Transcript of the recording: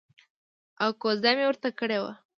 او کوزده مې ورته کړې وه.